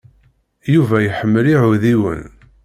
Yuba iḥemmel iɛudiwen.